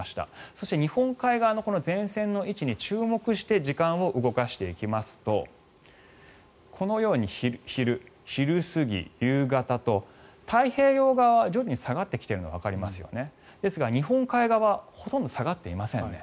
そして日本海側の前線の位置に注目して時間を動かしていきますとこのように昼、昼過ぎ夕方と太平洋側は徐々に下がってきているのがわかりますよねですが日本海側ほとんど下がっていませんね。